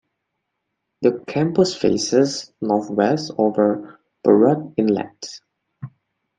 The campus faces northwest over Burrard Inlet.